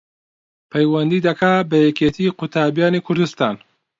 پەیوەندی دەکا بە یەکێتی قوتابیانی کوردستان